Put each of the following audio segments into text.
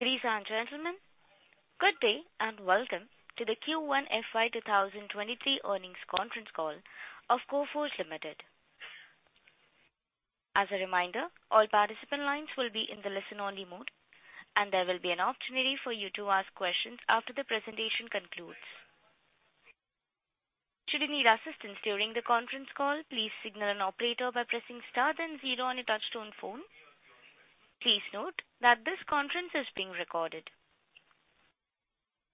Ladies and gentlemen, good day, and welcome to the Q1 FY 2023 earnings conference call of Coforge Limited. As a reminder, all participant lines will be in the listen-only mode, and there will be an opportunity for you to ask questions after the presentation concludes. Should you need assistance during the conference call, please signal an operator by pressing star then zero on your touchtone phone. Please note that this conference is being recorded.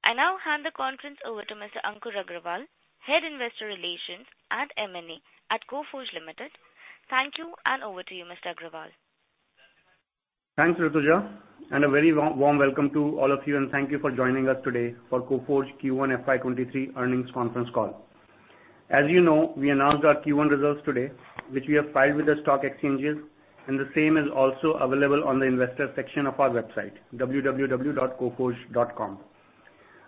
I now hand the conference over to Mr. Ankur Agrawal, Head of Investor Relations and M&A at Coforge Limited. Thank you, and over to you, Mr. Agrawal. Thanks, Rituja, and a very warm welcome to all of you, and thank you for joining us today for Coforge Q1 FY 2023 earnings conference call. As you know, we announced our Q1 results today, which we have filed with the stock exchanges, and the same is also available on the investor section of our website, www.coforge.com.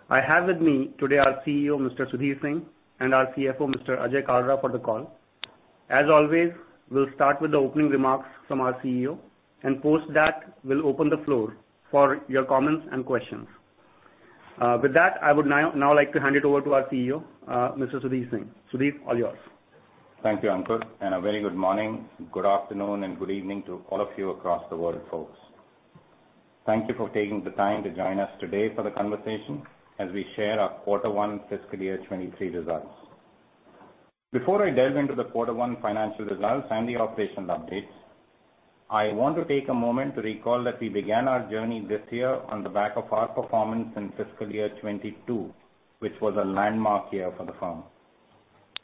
I have with me today our CEO, Mr. Sudhir Singh, and our CFO, Mr. Ajay Kalra, for the call. As always, we'll start with the opening remarks from our CEO, and post that, we'll open the floor for your comments and questions. With that, I would now like to hand it over to our CEO, Mr. Sudhir Singh. Sudhir, all yours. Thank you, Ankur, and a very good morning, good afternoon, and good evening to all of you across the world folks. Thank you for taking the time to join us today for the conversation as we share our quarter one fiscal year 2023 results. Before I delve into the quarter one financial results and the operations updates, I want to take a moment to recall that we began our journey this year on the back of our performance in fiscal year 2022, which was a landmark year for the firm.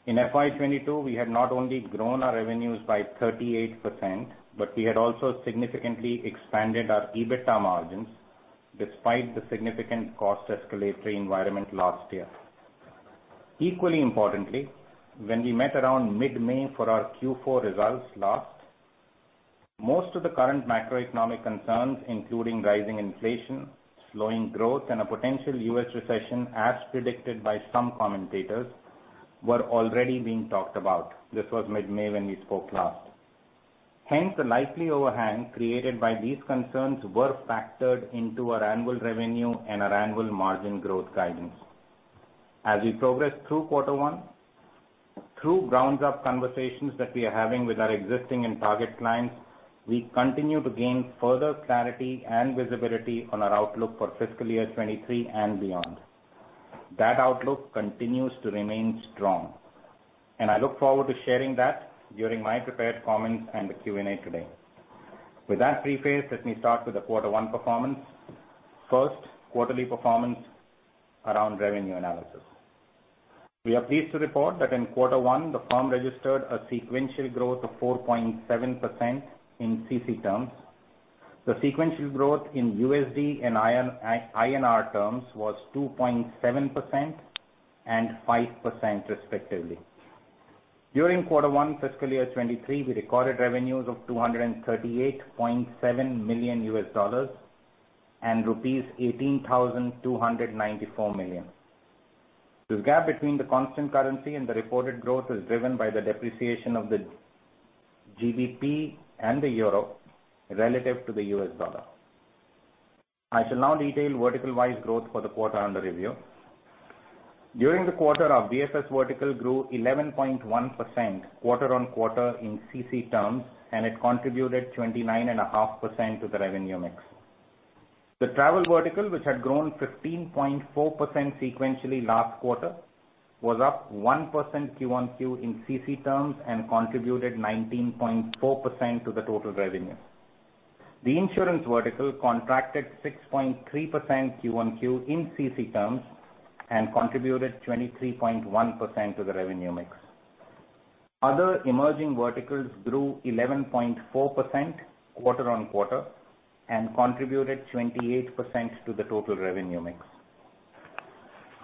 In FY 2022, we had not only grown our revenues by 38%, but we had also significantly expanded our EBITDA margins despite the significant cost escalatory environment last year. Equally importantly, when we met around mid-May for our Q4 results last, most of the current macroeconomic concerns, including rising inflation, slowing growth, and a potential U.S. recession, as predicted by some commentators, were already being talked about. This was mid-May when we spoke last. Hence, the likely overhang created by these concerns were factored into our annual revenue and our annual margin growth guidance. As we progress through quarter one, through ground-up conversations that we are having with our existing and target clients, we continue to gain further clarity and visibility on our outlook for fiscal year 2023 and beyond. That outlook continues to remain strong, and I look forward to sharing that during my prepared comments and the Q&A today. With that preface, let me start with the quarter one performance. First, quarterly performance around revenue analysis. We are pleased to report that in quarter one, the firm registered a sequential growth of 4.7% in CC terms. The sequential growth in USD and INR terms was 2.7% and 5% respectively. During quarter one fiscal year 2023, we recorded revenues of $238.7 million and rupees 18,294 million. This gap between the constant currency and the reported growth is driven by the depreciation of the INR and the euro relative to the US dollar. I shall now detail vertical-wise growth for the quarter under review. During the quarter, our BFS vertical grew 11.1% quarter-on-quarter in CC terms, and it contributed 29.5% to the revenue mix. The travel vertical, which had grown 15.4% sequentially last quarter, was up 1% QOQ in CC terms and contributed 19.4% to the total revenue. The insurance vertical contracted 6.3% QOQ in CC terms and contributed 23.1% to the revenue mix. Other emerging verticals grew 11.4% quarter on quarter and contributed 28% to the total revenue mix.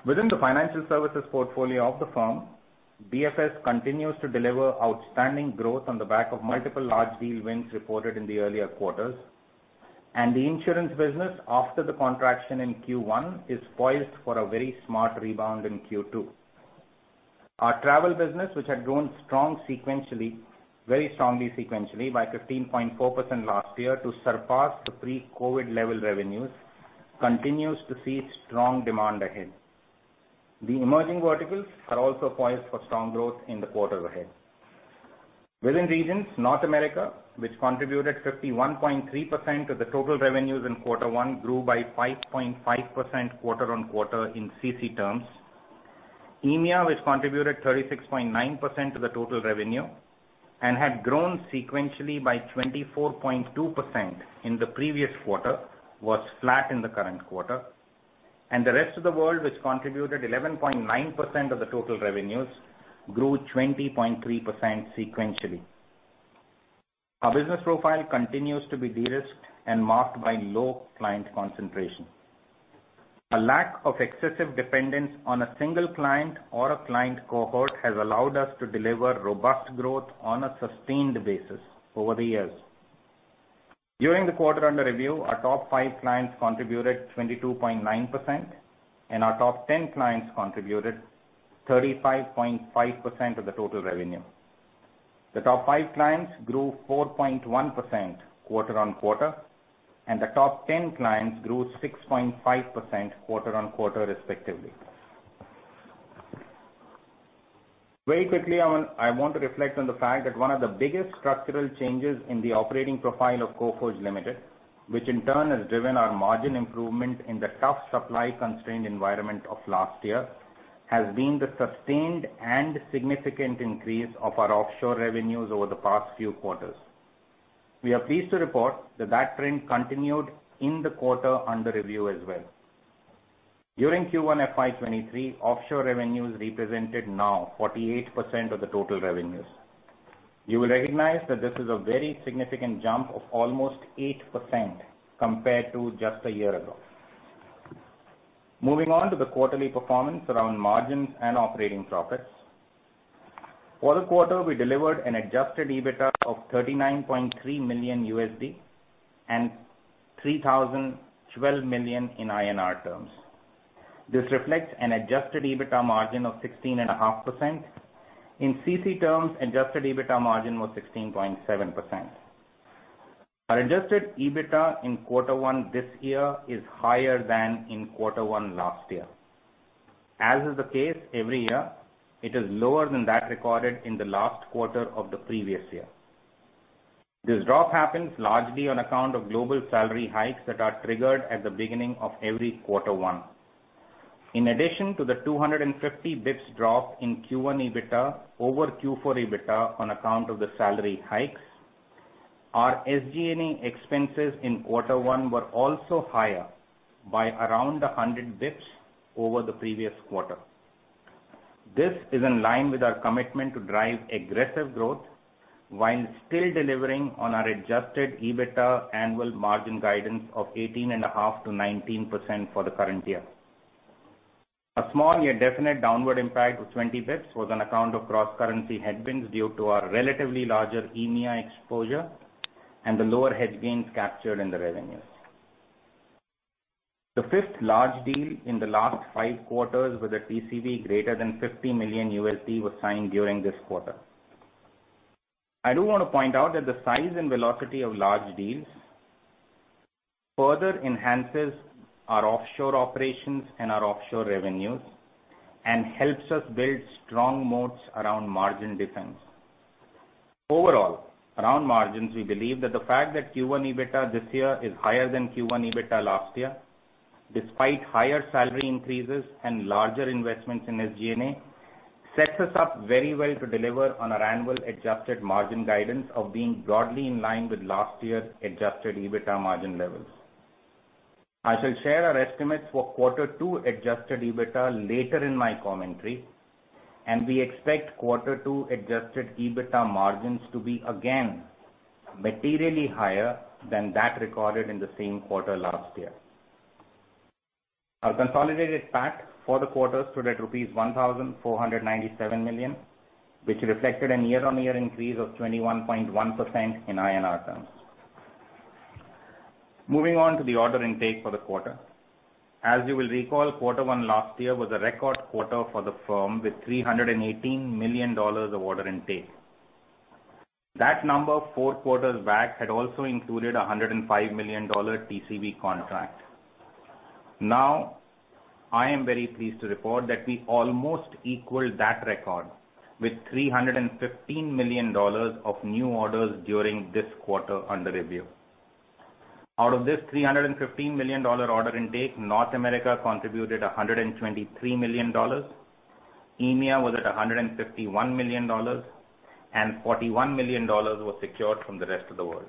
Within the financial services portfolio of the firm, BFS continues to deliver outstanding growth on the back of multiple large deal wins reported in the earlier quarters. The insurance business, after the contraction in Q1, is poised for a very smart rebound in Q2. Our travel business, which had grown strong sequentially, very strongly sequentially by 15.4% last year to surpass the pre-COVID level revenues, continues to see strong demand ahead. The emerging verticals are also poised for strong growth in the quarters ahead. Within regions, North America, which contributed 51.3% of the total revenues in quarter one, grew by 5.5% quarter-on-quarter in CC terms. EMEA, which contributed 36.9% to the total revenue and had grown sequentially by 24.2% in the previous quarter, was flat in the current quarter. The rest of the world, which contributed 11.9% of the total revenues, grew 20.3% sequentially. Our business profile continues to be de-risked and marked by low client concentration. A lack of excessive dependence on a single client or a client cohort has allowed us to deliver robust growth on a sustained basis over the years. During the quarter under review, our top five clients contributed 22.9%, and our top ten clients contributed 35.5% of the total revenue. The top five clients grew 4.1% quarter-on-quarter, and the top ten clients grew 6.5% quarter-on-quarter, respectively. Very quickly, I want to reflect on the fact that one of the biggest structural changes in the operating profile of Coforge Limited, which in turn has driven our margin improvement in the tough supply-constrained environment of last year, has been the sustained and significant increase of our offshore revenues over the past few quarters. We are pleased to report that that trend continued in the quarter under review as well. During Q1 FY 2023, offshore revenues represented now 48% of the total revenues. You will recognize that this is a very significant jump of almost 8% compared to just a year ago. Moving on to the quarterly performance around margins and operating profits. For the quarter, we delivered an adjusted EBITDA of $39.3 million and 3,012 million INR in INR terms. This reflects an adjusted EBITDA margin of 16.5%. In CC terms, adjusted EBITDA margin was 16.7%. Our adjusted EBITDA in quarter one this year is higher than in quarter one last year. As is the case every year, it is lower than that recorded in the last quarter of the previous year. This drop happens largely on account of global salary hikes that are triggered at the beginning of every quarter one. In addition to the 250 basis points drop in Q1 EBITDA over Q4 EBITDA on account of the salary hikes, our SG&A expenses in quarter one were also higher by around 100 basis points over the previous quarter. This is in line with our commitment to drive aggressive growth while still delivering on our adjusted EBITDA annual margin guidance of 18.5%-19% for the current year. A small yet definite downward impact of 20 basis points was on account of cross-currency headwinds due to our relatively larger EMEA exposure and the lower hedge gains captured in the revenues. The fifth large deal in the last five quarters with a TCV greater than $50 million was signed during this quarter. I do wanna point out that the size and velocity of large deals further enhances our offshore operations and our offshore revenues and helps us build strong moats around margin defense. Overall, around margins, we believe that the fact that Q1 EBITDA this year is higher than Q1 EBITDA last year, despite higher salary increases and larger investments in SG&A, sets us up very well to deliver on our annual adjusted margin guidance of being broadly in line with last year's adjusted EBITDA margin levels. I shall share our estimates for quarter two adjusted EBITDA later in my commentary, and we expect quarter two adjusted EBITDA margins to be again materially higher than that recorded in the same quarter last year. Our consolidated PAT for the quarter stood at rupees 1,497 million, which reflected a year-on-year increase of 21.1% in INR terms. Moving on to the order intake for the quarter. As you will recall, quarter one last year was a record quarter for the firm, with $318 million of order intake. That number four quarters back had also included a $105 million TCV contract. Now, I am very pleased to report that we almost equaled that record with $315 million of new orders during this quarter under review. Out of this $315 million order intake, North America contributed $123 million, EMEA was at $151 million, and $41 million was secured from the rest of the world.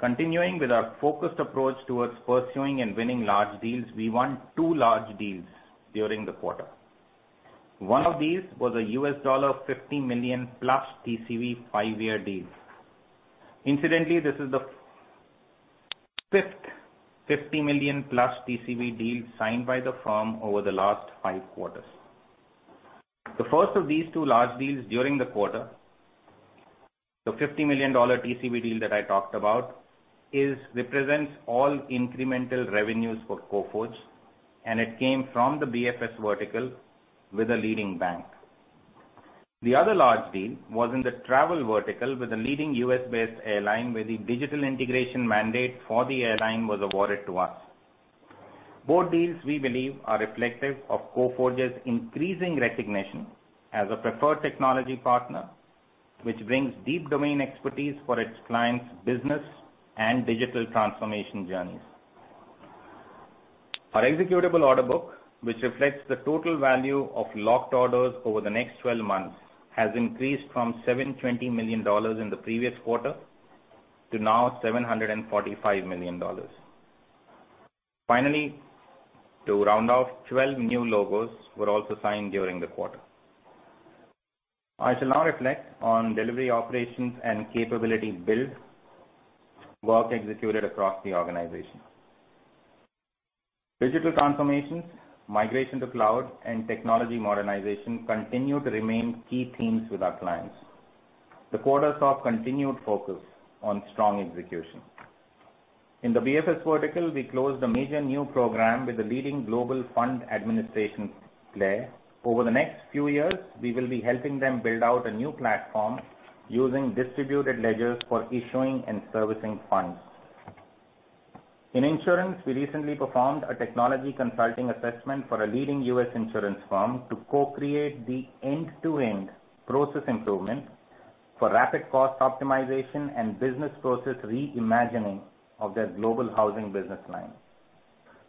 Continuing with our focused approach towards pursuing and winning large deals, we won two large deals during the quarter. One of these was a $50 million-plus TCV five-year deal. Incidentally, this is the fifth $50 million-plus TCV deal signed by the firm over the last 5 quarters. The first of these 2 large deals during the quarter, the $50 million TCV deal that I talked about, represents all incremental revenues for Coforge, and it came from the BFS vertical with a leading bank. The other large deal was in the travel vertical with a leading U.S.-based airline, where the digital integration mandate for the airline was awarded to us. Both deals, we believe, are reflective of Coforge's increasing recognition as a preferred technology partner, which brings deep domain expertise for its clients' business and digital transformation journeys. Our executable order book, which reflects the total value of locked orders over the next 12 months, has increased from $720 million in the previous quarter to now $745 million. Finally, to round off, 12 new logos were also signed during the quarter. I shall now reflect on delivery operations and capability build work executed across the organization. Digital transformations, migration to cloud, and technology modernization continue to remain key themes with our clients. The quarter saw continued focus on strong execution. In the BFS vertical, we closed a major new program with a leading global fund administration player. Over the next few years, we will be helping them build out a new platform using distributed ledgers for issuing and servicing funds. In insurance, we recently performed a technology consulting assessment for a leading U.S. insurance firm to co-create the end-to-end process improvement for rapid cost optimization and business process re-imagining of their global housing business line.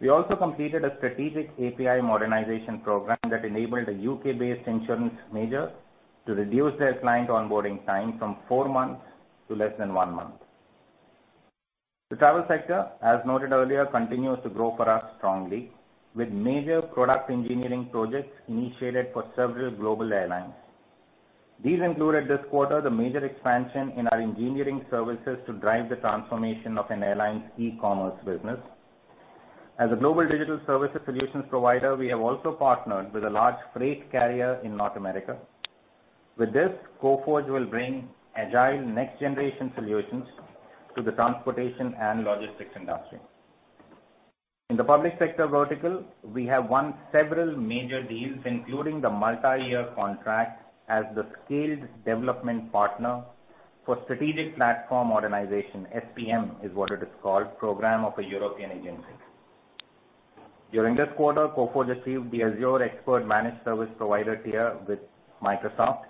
We also completed a strategic API modernization program that enabled a U.K.-based insurance major to reduce their client onboarding time from four months to less than one month. The travel sector, as noted earlier, continues to grow for us strongly with major product engineering projects initiated for several global airlines. These included this quarter, the major expansion in our engineering services to drive the transformation of an airline's e-commerce business. As a global digital services solutions provider, we have also partnered with a large freight carrier in North America. With this, Coforge will bring agile next-generation solutions to the transportation and logistics industry. In the public sector vertical, we have won several major deals, including the multi-year contract as the scaled development partner for Strategic Platform Organization. SPO is what it is called, program of a European agency. During this quarter, Coforge received the Azure expert managed service provider tier with Microsoft.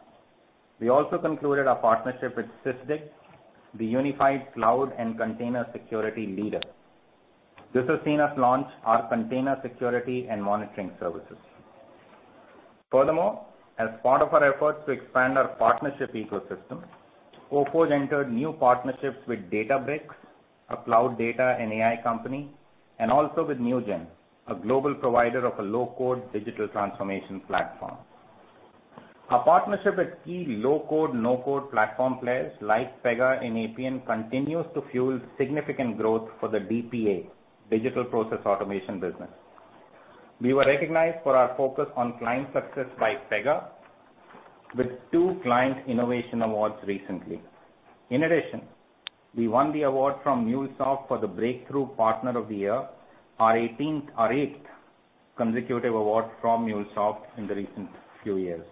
We also concluded our partnership with Sysdig, the unified cloud and container security leader. This has seen us launch our container security and monitoring services. Furthermore, as part of our efforts to expand our partnership ecosystem, Coforge entered new partnerships with Databricks, a cloud data and AI company, and also with Newgen, a global provider of a low-code digital transformation platform. Our partnership with key low-code, no-code platform players like Pega and Appian continues to fuel significant growth for the DPA, Digital Process Automation business. We were recognized for our focus on client success by Pega with two client innovation awards recently. In addition, we won the award from MuleSoft for the breakthrough partner of the year, our eighth consecutive award from MuleSoft in the recent few years.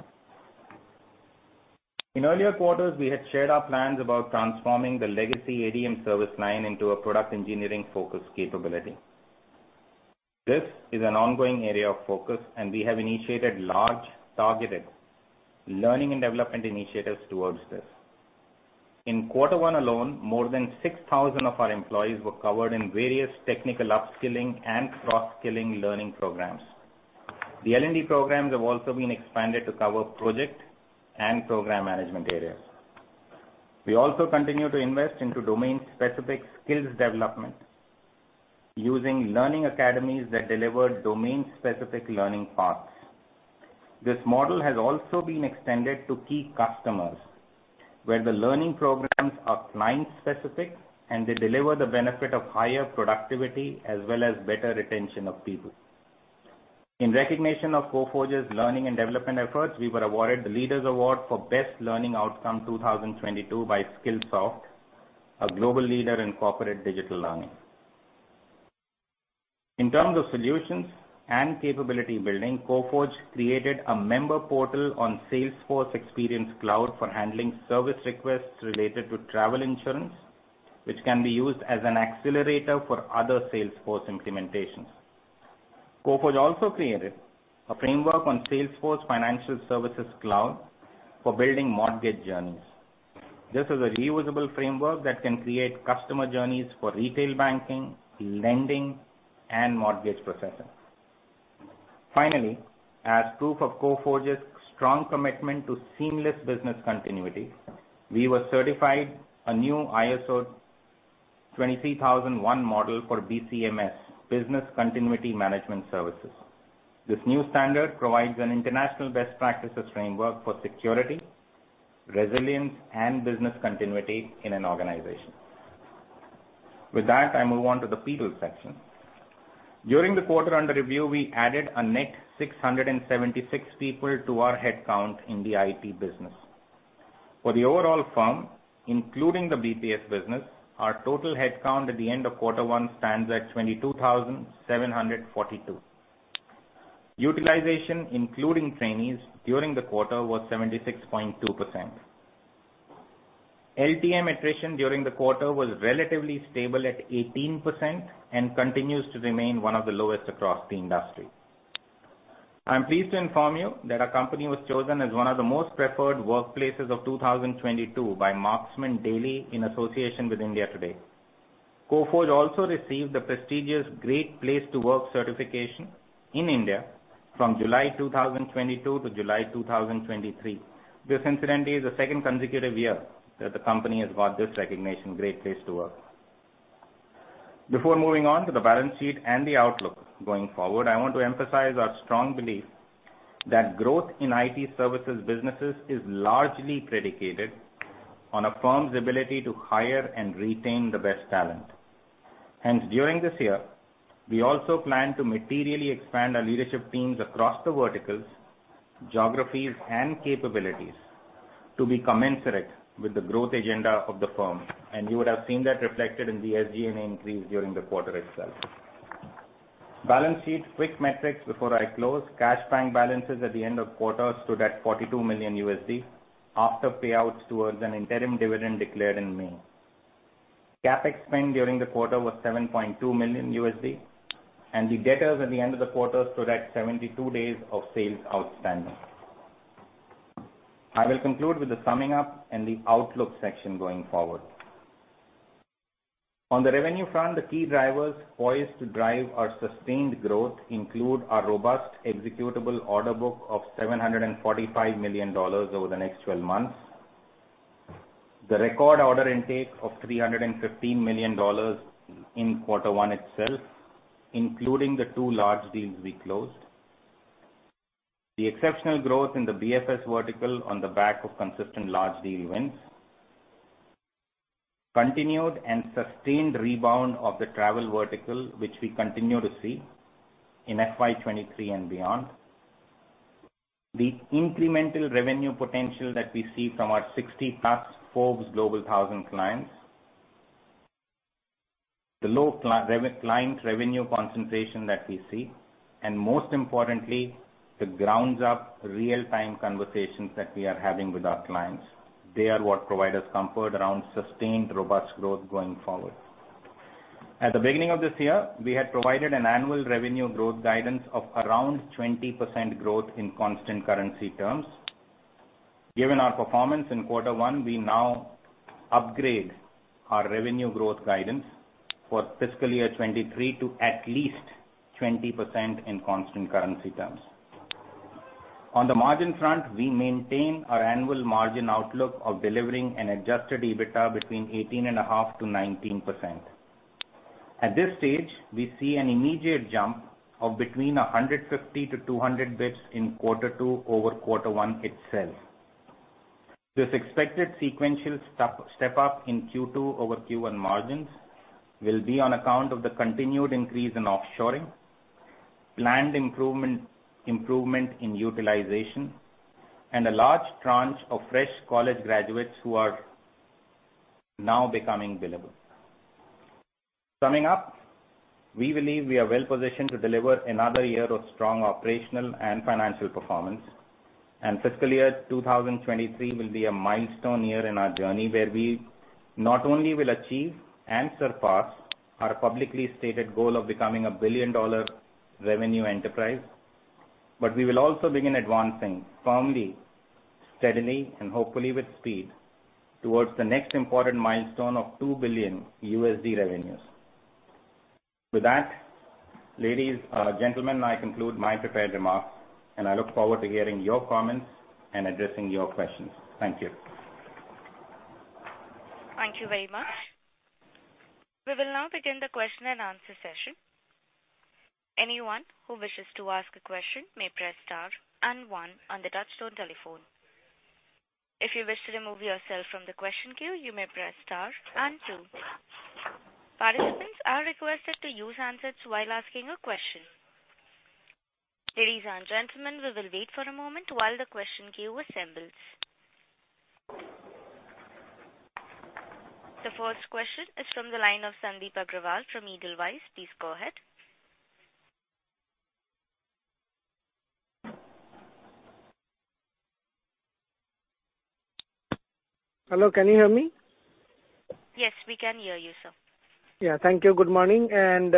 In earlier quarters, we had shared our plans about transforming the legacy ADM service line into a product engineering-focused capability. This is an ongoing area of focus, and we have initiated large, targeted learning and development initiatives towards this. In quarter one alone, more than 6,000 of our employees were covered in various technical upskilling and cross-skilling learning programs. The L&D programs have also been expanded to cover project and program management areas. We also continue to invest into domain-specific skills development using learning academies that deliver domain-specific learning paths. This model has also been extended to key customers, where the learning programs are client-specific, and they deliver the benefit of higher productivity as well as better retention of people. In recognition of Coforge's learning and development efforts, we were awarded the Leaders Award for Best Learning Outcome 2022 by Skillsoft, a global leader in corporate digital learning. In terms of solutions and capability building, Coforge created a member portal on Salesforce Experience Cloud for handling service requests related to travel insurance, which can be used as an accelerator for other Salesforce implementations. Coforge also created a framework on Salesforce Financial Services Cloud for building mortgage journeys. This is a reusable framework that can create customer journeys for retail banking, lending, and mortgage processing. Finally, as proof of Coforge's strong commitment to seamless business continuity, we were certified a new ISO 22301 model for BCMS, Business Continuity Management System. This new standard provides an international best practices framework for security, resilience, and business continuity in an organization. With that, I move on to the people section. During the quarter under review, we added a net 676 people to our headcount in the IT business. For the overall firm, including the BPS business, our total headcount at the end of quarter one stands at 22,742. Utilization, including trainees during the quarter, was 76.2%. LTM attrition during the quarter was relatively stable at 18% and continues to remain one of the lowest across the industry. I'm pleased to inform you that our company was chosen as one of the most preferred workplaces of 2022 by Team Marksmen in association with India Today. Coforge also received the prestigious Great Place to Work certification in India from July 2022 to July 2023. This, incidentally, is the second consecutive year that the company has got this recognition, Great Place to Work. Before moving on to the balance sheet and the outlook going forward, I want to emphasize our strong belief that growth in IT services businesses is largely predicated on a firm's ability to hire and retain the best talent. Hence, during this year, we also plan to materially expand our leadership teams across the verticals, geographies, and capabilities. To be commensurate with the growth agenda of the firm, and you would have seen that reflected in the SG&A increase during the quarter itself. Balance sheet quick metrics before I close. Cash bank balances at the end of quarter stood at $42 million after payouts towards an interim dividend declared in May. CapEx spend during the quarter was $7.2 million, and the debtors at the end of the quarter stood at 72 days of sales outstanding. I will conclude with the summing up and the outlook section going forward. On the revenue front, the key drivers poised to drive our sustained growth include our robust executable order book of $745 million over the next 12 months. The record order intake of $315 million in quarter one itself, including the two large deals we closed. The exceptional growth in the BFS vertical on the back of consistent large deal wins. Continued and sustained rebound of the travel vertical, which we continue to see in FY 2023 and beyond. The incremental revenue potential that we see from our 60+ Forbes Global 2000 clients. The low client revenue concentration that we see, and most importantly, the ground-up real-time conversations that we are having with our clients. They are what provide us comfort around sustained, robust growth going forward. At the beginning of this year, we had provided an annual revenue growth guidance of around 20% growth in constant currency terms. Given our performance in quarter one, we now upgrade our revenue growth guidance for fiscal year 2023 to at least 20% in constant currency terms. On the margin front, we maintain our annual margin outlook of delivering an adjusted EBITDA between 18.5%-19%. At this stage, we see an immediate jump of between 150 to 200 basis points in quarter two over quarter one itself. This expected sequential step-up in Q2 over Q1 margins will be on account of the continued increase in offshoring, planned improvement in utilization, and a large tranche of fresh college graduates who are now becoming billable. Summing up, we believe we are well-positioned to deliver another year of strong operational and financial performance, and fiscal year 2023 will be a milestone year in our journey, where we not only will achieve and surpass our publicly stated goal of becoming a billion-dollar revenue enterprise, but we will also begin advancing firmly, steadily, and hopefully with speed towards the next important milestone of $2 billion revenues. With that, ladies, gentlemen, I conclude my prepared remarks, and I look forward to hearing your comments and addressing your questions. Thank you. Thank you very much. We will now begin the question-and-answer session. Anyone who wishes to ask a question may press star and one on the touchtone telephone. If you wish to remove yourself from the question queue, you may press star and two. Participants are requested to use handsets while asking a question. Ladies and gentlemen, we will wait for a moment while the question queue assembles. The first question is from the line of Sandeep Agrawal from Edelweiss. Please go ahead. Hello, can you hear me? Yes, we can hear you, sir. Yeah. Thank you. Good morning, and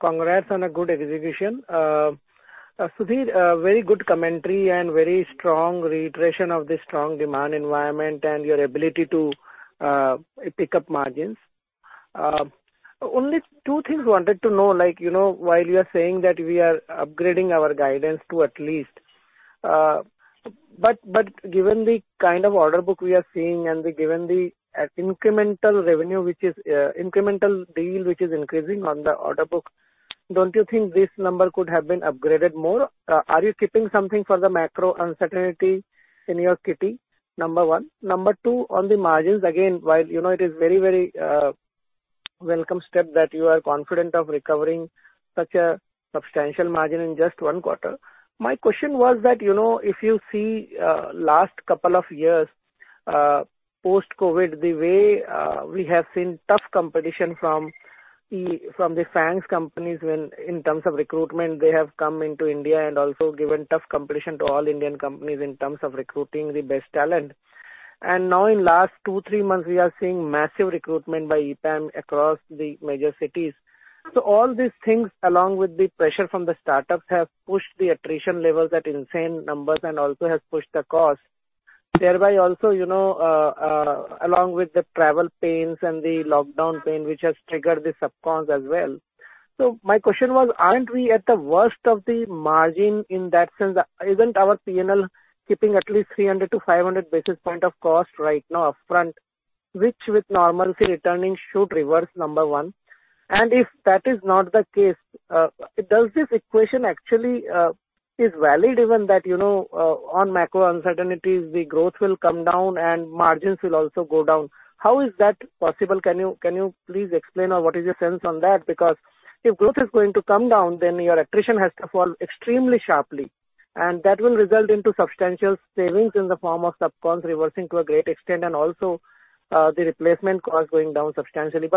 congrats on a good execution. Sudhir, very good commentary and very strong reiteration of the strong demand environment and your ability to pick up margins. Only two things wanted to know, like, you know, while you are saying that we are upgrading our guidance to at least. But given the kind of order book we are seeing and given the incremental revenue, which is incremental deal which is increasing on the order book, don't you think this number could have been upgraded more? Are you keeping something for the macro uncertainty in your kitty? Number one. Number two, on the margins, again, while, you know, it is very, very welcome step that you are confident of recovering such a substantial margin in just one quarter. My question was that, you know, if you see, last couple of years, post-COVID, the way, we have seen tough competition from the FANGs companies when, in terms of recruitment, they have come into India and also given tough competition to all Indian companies in terms of recruiting the best talent. Now in last two, three months, we are seeing massive recruitment by EPAM across the major cities. All these things, along with the pressure from the startups, have pushed the attrition levels at insane numbers and also has pushed the cost, thereby also, you know, along with the travel pains and the lockdown pain, which has triggered the subcons as well. My question was, aren't we at the worst of the margin in that sense? Isn't our P&L keeping at least 300-500 basis point of cost right now upfront, which with normalcy returning should reverse, number one. If that is not the case, does this equation actually is valid given that, you know, on macro uncertainties the growth will come down and margins will also go down? How is that possible? Can you please explain or what is your sense on that? Because if growth is going to come down, then your attrition has to fall extremely sharply. That will result into substantial savings in the form of sub-con reversing to a great extent and also, the replacement costs going down substantially.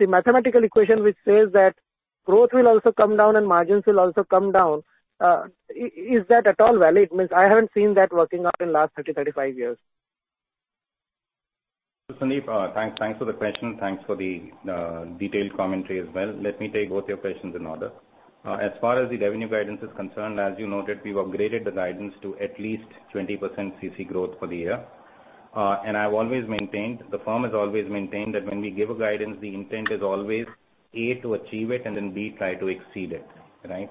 The mathematical equation which says that growth will also come down and margins will also come down, is that at all valid? I mean, I haven't seen that working out in last 30-35 years. Sandeep, thanks for the question. Thanks for the detailed commentary as well. Let me take both your questions in order. As far as the revenue guidance is concerned, as you noted, we've upgraded the guidance to at least 20% CC growth for the year. I've always maintained, the firm has always maintained, that when we give a guidance, the intent is always, A, to achieve it, and then B, try to exceed it, right?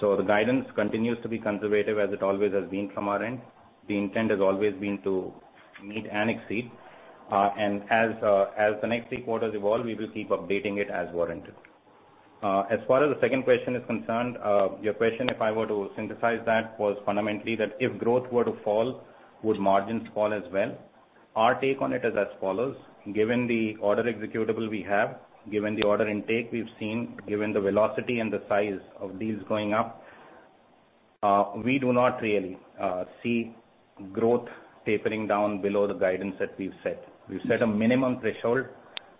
The guidance continues to be conservative as it always has been from our end. The intent has always been to meet and exceed. As the next three quarters evolve, we will keep updating it as warranted. As far as the second question is concerned, your question, if I were to synthesize that, was fundamentally that if growth were to fall, would margins fall as well? Our take on it is as follows. Given the order book we have, given the order intake we've seen, given the velocity and the size of deals going up, we do not really see growth tapering down below the guidance that we've set. We've set a minimum threshold.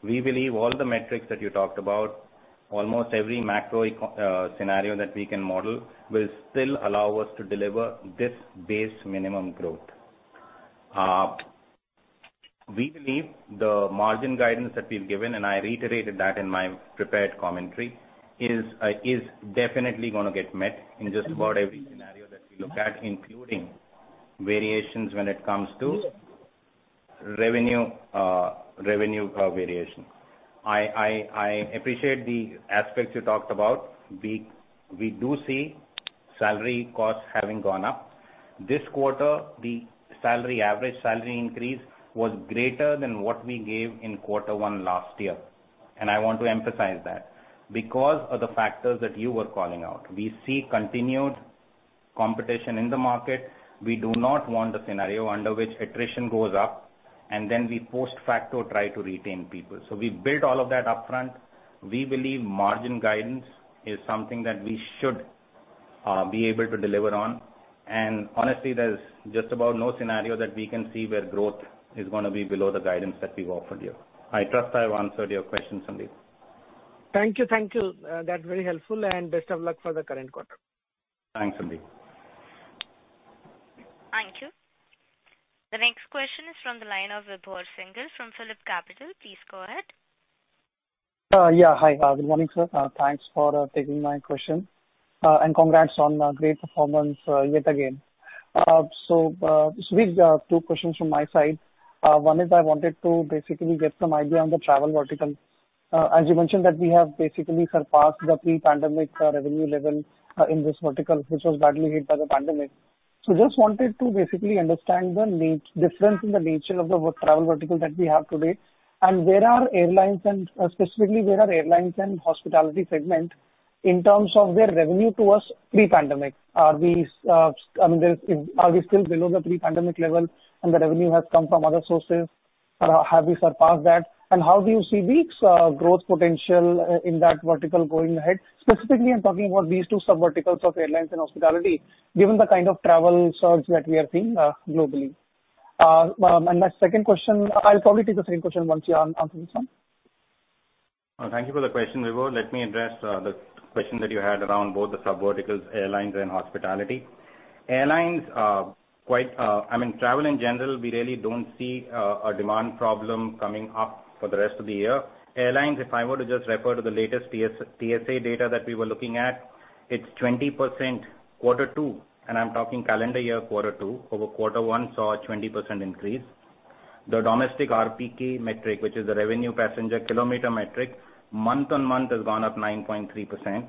We believe all the metrics that you talked about, almost every macro economic scenario that we can model, will still allow us to deliver this base minimum growth. We believe the margin guidance that we've given, and I reiterated that in my prepared commentary, is definitely gonna get met in just about every scenario that we look at, including variations when it comes to revenue variation. I appreciate the aspects you talked about. We do see salary costs having gone up. This quarter, the average salary increase was greater than what we gave in quarter one last year, and I want to emphasize that. Because of the factors that you were calling out, we see continued competition in the market. We do not want a scenario under which attrition goes up and then we post-facto try to retain people. We built all of that upfront. We believe margin guidance is something that we should be able to deliver on. Honestly, there's just about no scenario that we can see where growth is gonna be below the guidance that we've offered you. I trust I've answered your question, Sandeep. Thank you. That's very helpful and best of luck for the current quarter. Thanks, Sandeep. Thank you. The next question is from the line of Vibhor Singhal from PhillipCapital. Please go ahead. Yeah. Hi. Good morning, sir. Thanks for taking my question. Congrats on great performance yet again. Sudhir, two questions from my side. One is I wanted to basically get some idea on the travel vertical. As you mentioned that we have basically surpassed the pre-pandemic revenue level in this vertical, which was badly hit by the pandemic. Just wanted to basically understand the difference in the nature of the work in the travel vertical that we have today, and where are airlines and hospitality segment in terms of their revenue to us pre-pandemic. Are we, I mean, are we still below the pre-pandemic level and the revenue has come from other sources, or have we surpassed that? How do you see the growth potential in that vertical going ahead? Specifically, I'm talking about these two subverticals of airlines and hospitality, given the kind of travel surge that we are seeing globally. And my second question. I'll probably take the second question once you answer this one. Thank you for the question, Vibhor. Let me address the question that you had around both the subverticals, airlines and hospitality. I mean, travel in general, we really don't see a demand problem coming up for the rest of the year. Airlines, if I were to just refer to the latest TSA data that we were looking at, it's 20% quarter two, and I'm talking calendar year quarter two, over quarter one, saw a 20% increase. The domestic RPK metric, which is the revenue passenger kilometer metric, month-on-month has gone up 9.3%.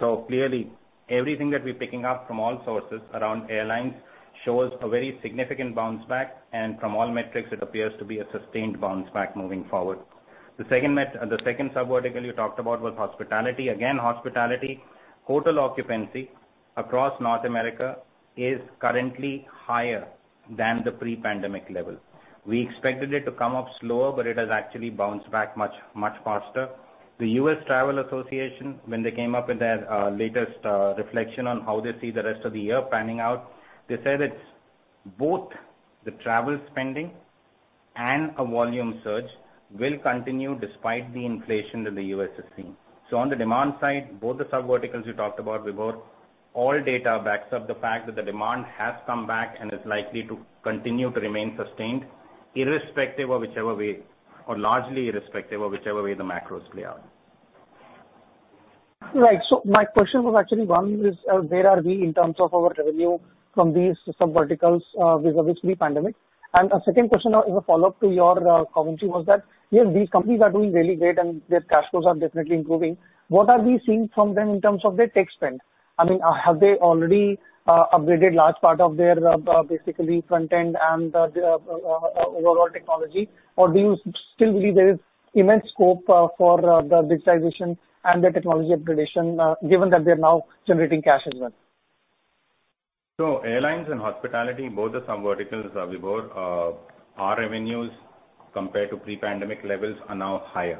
So clearly everything that we're picking up from all sources around airlines shows a very significant bounce back, and from all metrics it appears to be a sustained bounce back moving forward. The second subvertical you talked about was hospitality. Again, hospitality, hotel occupancy across North America is currently higher than the pre-pandemic level. We expected it to come up slower, but it has actually bounced back much, much faster. The U.S. Travel Association, when they came up with their latest reflection on how they see the rest of the year panning out, they said it's both the travel spending and a volume surge will continue despite the inflation that the U.S. is seeing. So on the demand side, both the subverticals you talked about, Vibhor, all data backs up the fact that the demand has come back and is likely to continue to remain sustained irrespective of whichever way, or largely irrespective of whichever way the macros play out. Right. My question was actually, one is, where are we in terms of our revenue from these subverticals vis-à-vis pre-pandemic? A second question is a follow-up to your commentary, was that yes, these companies are doing really great and their cash flows are definitely improving. What are we seeing from them in terms of their tech spend? I mean, have they already upgraded large part of their basically content and the overall technology, or do you still believe there is immense scope for the digitization and the technology upgradation, given that they're now generating cash as well? Airlines and hospitality, both the subverticals, Vibhor, our revenues compared to pre-pandemic levels are now higher.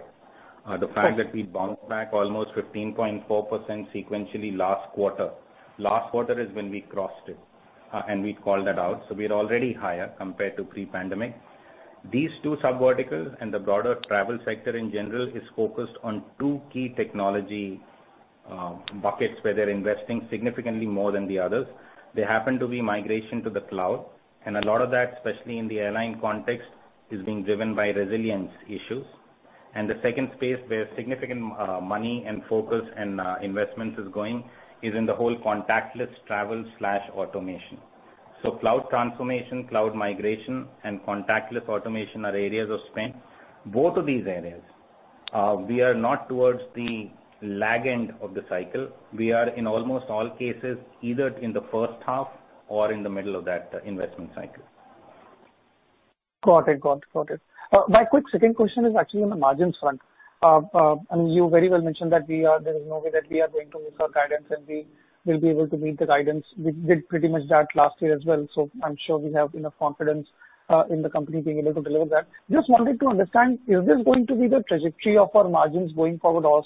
The fact that we bounced back almost 15.4% sequentially last quarter. Last quarter is when we crossed it, and we'd called that out, so we are already higher compared to pre-pandemic. These two subverticals and the broader travel sector in general is focused on two key technology buckets where they're investing significantly more than the others. They happen to be migration to the cloud, and a lot of that, especially in the airline context, is being driven by resilience issues. The second space where significant money and focus and investments is going is in the whole contactless travel/automation. Cloud transformation, cloud migration, and contactless automation are areas of spend. Both of these areas, we are not towards the lag end of the cycle. We are in almost all cases, either in the first half or in the middle of that investment cycle. Got it. My quick second question is actually on the margins front. I mean, you very well mentioned that there is no way that we are going to miss our guidance, and we will be able to meet the guidance. We did pretty much that last year as well, so I'm sure we have enough confidence in the company being able to deliver that. Just wanted to understand, is this going to be the trajectory of our margins going forward or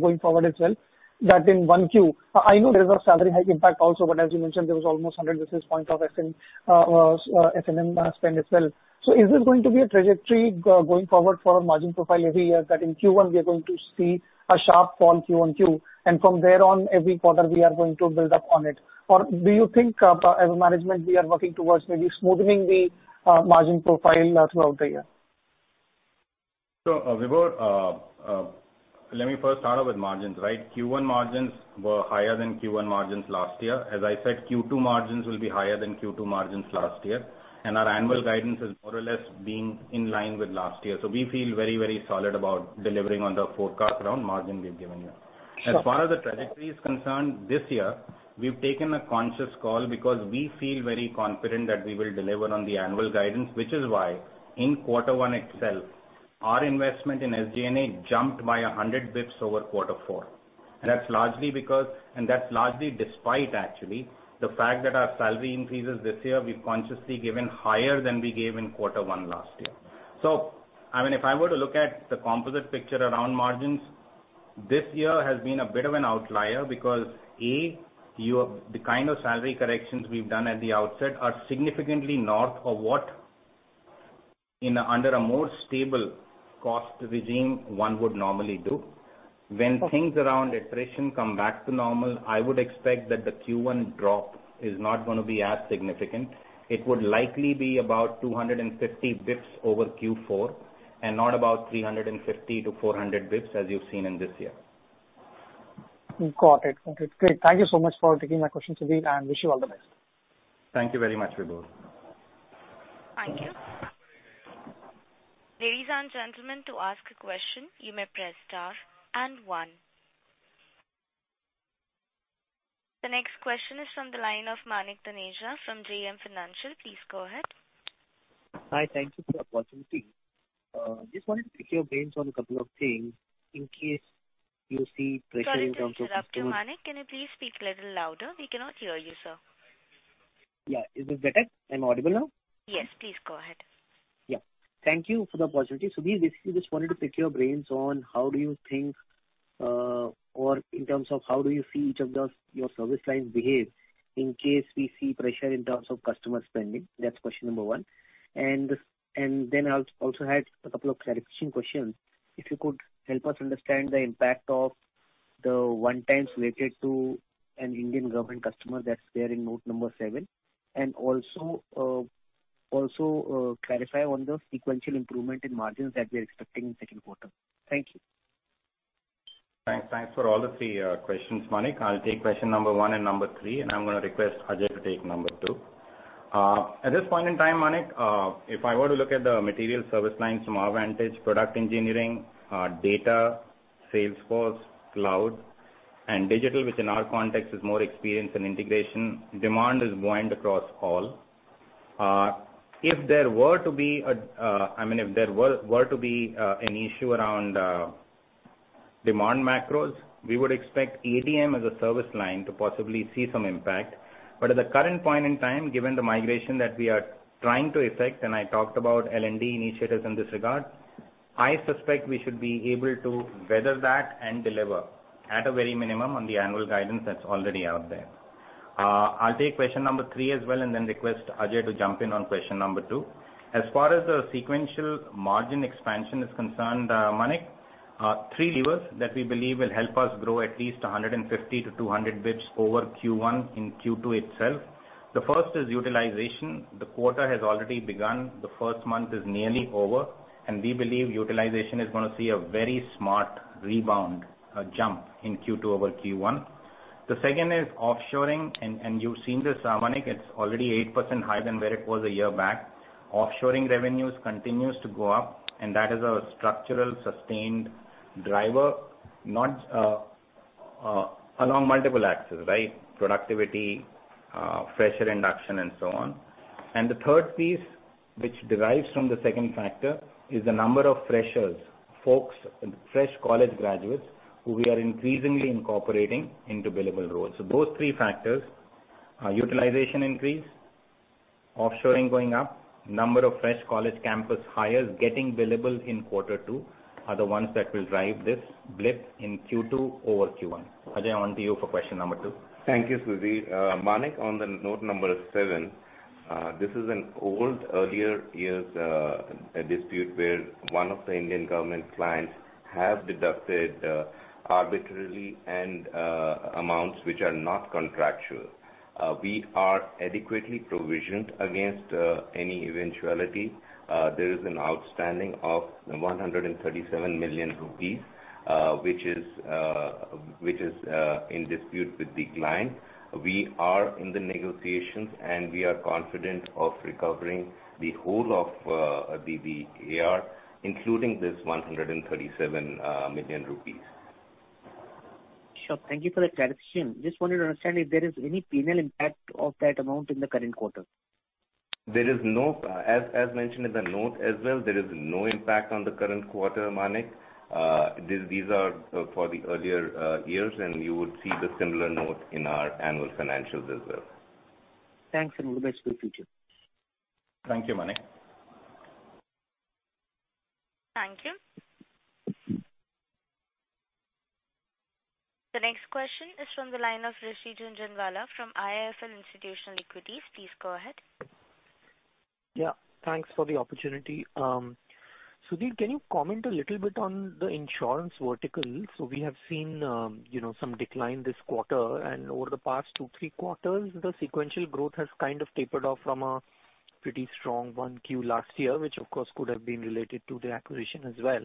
going forward as well, that in one Q. I know there is a salary hike impact also, but as you mentioned, there was almost 100 basis points of R&D spend as well. Is this going to be a trajectory going forward for our margin profile every year that in Q1 we are going to see a sharp fall Q on Q, and from there on every quarter we are going to build up on it? Or do you think, as management we are working towards maybe smoothening the margin profile throughout the year? Vibhor, let me first start off with margins, right? Q1 margins were higher than Q1 margins last year. As I said, Q2 margins will be higher than Q2 margins last year. Our annual guidance is more or less been in line with last year. We feel very, very solid about delivering on the forecast around margin we've given you. Sure. As far as the trajectory is concerned, this year we've taken a conscious call because we feel very confident that we will deliver on the annual guidance, which is why in quarter one itself, our investment in SG&A jumped by 100 basis points over quarter four. That's largely despite actually the fact that our salary increases this year we've consciously given higher than we gave in quarter one last year. I mean, if I were to look at the composite picture around margins, this year has been a bit of an outlier because, A, the kind of salary corrections we've done at the outset are significantly north of what under a more stable cost regime one would normally do. Okay. When things around attrition come back to normal, I would expect that the Q1 drop is not gonna be as significant. It would likely be about 250 basis points over Q4 and not about 350-400 basis points as you've seen in this year. Got it. Great. Thank you so much for taking my questions, Sudhir, and wish you all the best. Thank you very much, Vibhor. Thank you. Ladies and gentlemen, to ask a question you may press star and one. The next question is from the line of Manik Taneja from JM Financial. Please go ahead. Hi, thank you for the opportunity. Just wanted to pick your brains on a couple of things in case you see pressure in terms of. Sorry to interrupt you, Manik. Can you please speak a little louder? We cannot hear you, sir. Yeah. Is this better? I'm audible now? Yes, please go ahead. Yeah. Thank you for the opportunity. Sudhir, basically just wanted to pick your brains on how do you think, or in terms of how do you see each of the, your service lines behave in case we see pressure in terms of customer spending? That's question number one. Then I also had a couple of clarification questions. If you could help us understand the impact of the one times related to an Indian government customer that's there in note number seven, and also, clarify on the sequential improvement in margins that we are expecting in second quarter. Thank you. Thanks. Thanks for all the three questions, Manik. I'll take question number one and number three, and I'm gonna request Ajay to take number two. At this point in time, Manik, if I were to look at the material service lines from our vantage product engineering, data, Salesforce, cloud, and digital, which in our context is more experience and integration, demand is buoyant across all. If there were to be an issue around demand macros, we would expect ADM as a service line to possibly see some impact. At the current point in time, given the migration that we are trying to effect, and I talked about L&D initiatives in this regard, I suspect we should be able to weather that and deliver at a very minimum on the annual guidance that's already out there. I'll take question number three as well and then request Ajay to jump in on question number two. As far as the sequential margin expansion is concerned, Manik, three levers that we believe will help us grow at least 100-200 basis points over Q1 in Q2 itself. The first is utilization. The quarter has already begun. The first month is nearly over. We believe utilization is gonna see a very smart rebound, jump in Q2 over Q1. The second is offshoring. You've seen this, Manik, it's already 8% higher than where it was a year back. Offshoring revenues continues to go up, and that is a structural sustained driver, not. Along multiple axes, right? Productivity, fresher induction, and so on. The third piece, which derives from the second factor, is the number of freshers, folks, fresh college graduates who we are increasingly incorporating into billable roles. Those three factors. Our utilization increase, offshoring going up, number of fresh college campus hires getting available in quarter two are the ones that will drive this blip in Q2 over Q1. Ajay, on to you for question number two. Thank you, Sudhir. Manik, on the note number seven, this is an old earlier years dispute where one of the Indian government clients have deducted arbitrarily and amounts which are not contractual. We are adequately provisioned against any eventuality. There is an outstanding of 137 million rupees, which is in dispute with the client. We are in the negotiations, and we are confident of recovering the whole of the AR, including this 137 million rupees. Sure. Thank you for the clarification. Just wanted to understand if there is any P&L impact of that amount in the current quarter. As mentioned in the note as well, there is no impact on the current quarter, Manik. These are for the earlier years, and you would see the similar note in our annual financials as well. Thanks a lot. Best wishes for the future. Thank you, Manik. Thank you. The next question is from the line of Rishi Jhunjhunwala from IIFL Institutional Equities. Please go ahead. Yeah. Thanks for the opportunity. Sudhir, can you comment a little bit on the insurance vertical? We have seen, you know, some decline this quarter, and over the past two, three quarters, the sequential growth has kind of tapered off from a pretty strong one Q last year, which of course could have been related to the acquisition as well.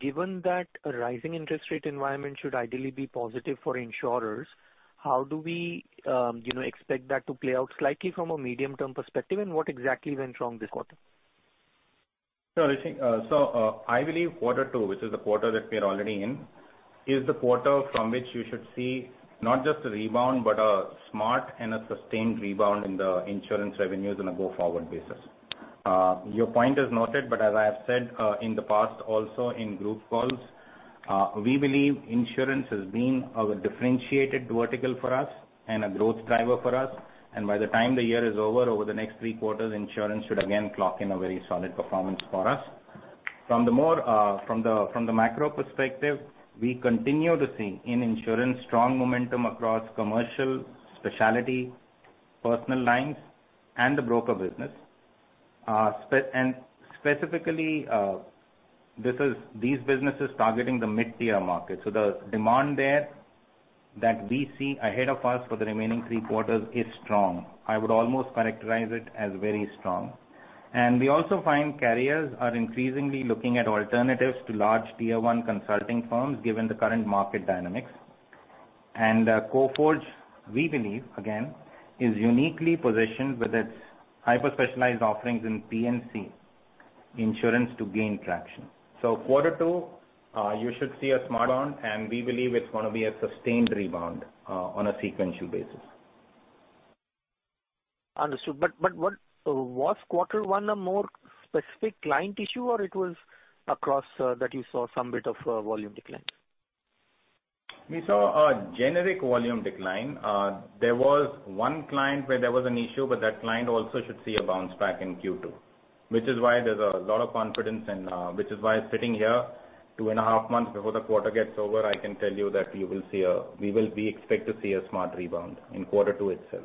Given that a rising interest rate environment should ideally be positive for insurers, how do we, you know, expect that to play out slightly from a medium-term perspective, and what exactly went wrong this quarter? No, I think, I believe quarter two, which is the quarter that we're already in, is the quarter from which you should see not just a rebound, but a smart and a sustained rebound in the insurance revenues on a go-forward basis. Your point is noted, but as I have said, in the past also in group calls, we believe insurance has been a differentiated vertical for us and a growth driver for us. By the time the year is over the next three quarters, insurance should again clock in a very solid performance for us. From the macro perspective, we continue to see in insurance strong momentum across commercial, specialty, personal lines, and the broker business. Specifically, these businesses targeting the mid-tier market. The demand there that we see ahead of us for the remaining three quarters is strong. I would almost characterize it as very strong. We also find carriers are increasingly looking at alternatives to large tier one consulting firms, given the current market dynamics. Coforge, we believe, again, is uniquely positioned with its hyper-specialized offerings in P&C insurance to gain traction. Quarter two, you should see a smart rebound, and we believe it's gonna be a sustained rebound, on a sequential basis. Understood. Was quarter one a more specific client issue, or it was across that you saw some bit of volume decline? We saw a generic volume decline. There was one client where there was an issue, but that client also should see a bounce back in Q2, which is why there's a lot of confidence and which is why sitting here two and a half months before the quarter gets over, I can tell you that we will be expected to see a smart rebound in quarter two itself.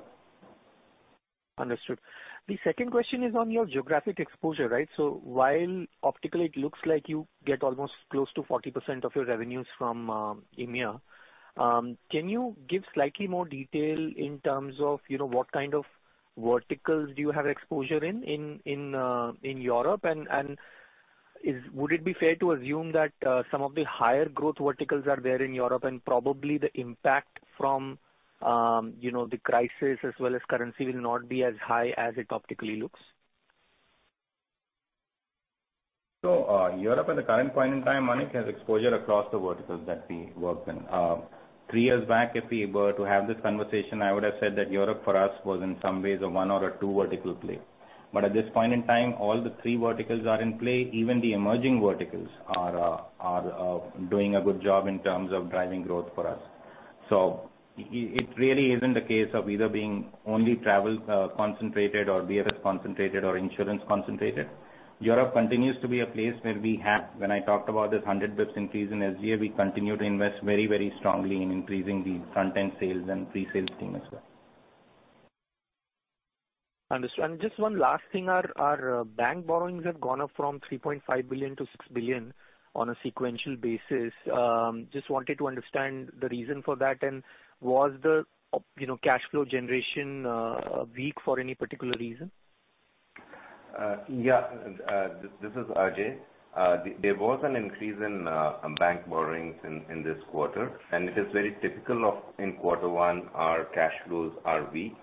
Understood. The second question is on your geographic exposure, right? While optically it looks like you get almost close to 40% of your revenues from EMEA, can you give slightly more detail in terms of, you know, what kind of verticals do you have exposure in in Europe? And would it be fair to assume that some of the higher growth verticals are there in Europe and probably the impact from, you know, the crisis as well as currency will not be as high as it optically looks? Europe at the current point in time, Manik, has exposure across the verticals that we work in. Three years back, if we were to have this conversation, I would have said that Europe for us was in some ways a one or a two vertical play. At this point in time, all the three verticals are in play. Even the emerging verticals are doing a good job in terms of driving growth for us. It really isn't the case of either being only travel concentrated or BFS concentrated or insurance concentrated. Europe continues to be a place. When I talked about this 100 basis points increase in SG&A, we continue to invest very, very strongly in increasing the front-end sales and pre-sales team as well. Understood. Just one last thing. Our bank borrowings have gone up from 3.5 billion to 6 billion on a sequential basis. Just wanted to understand the reason for that, and was the you know, cash flow generation weak for any particular reason? Yeah. This is Ajay Kalra. There was an increase in bank borrowings in this quarter. It is very typical in quarter one, our cash flows are weak